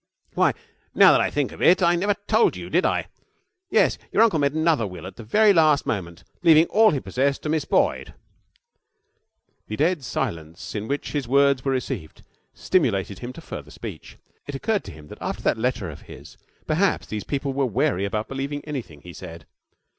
'Why, now that I think of it, I never told you, did I? Yes, your uncle made another will at the very last moment, leaving all he possessed to Miss Boyd.' The dead silence in which his words were received stimulated him to further speech. It occurred to him that, after that letter of his, perhaps these people were wary about believing anything he said.